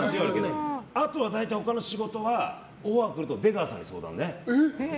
あとは大体、他の仕事はオファー来ると出川さんに相談ね。